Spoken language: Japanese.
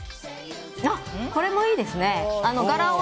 これもいいですね。